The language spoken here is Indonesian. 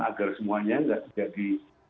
agar semuanya tidak menjadi